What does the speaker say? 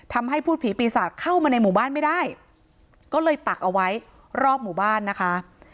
พูดผีปีศาจเข้ามาในหมู่บ้านไม่ได้ก็เลยปักเอาไว้รอบหมู่บ้านนะคะ